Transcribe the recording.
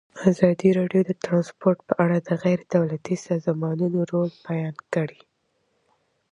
ازادي راډیو د ترانسپورټ په اړه د غیر دولتي سازمانونو رول بیان کړی.